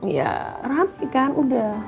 ya rame kan udah